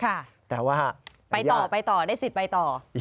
ค่ะไปต่อได้สิทธิ์ไปต่อ